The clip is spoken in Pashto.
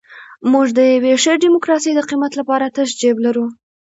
موږ د یوې ښې ډیموکراسۍ د قیمت لپاره تش جیب لرو.